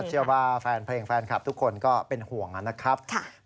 เชื่อว่าแฟนเพลงแฟนคลับทุกคนก็เป็นห่วงนะครับ